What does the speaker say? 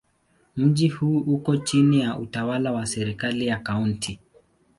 Mji huu uko chini ya utawala wa serikali ya Kaunti.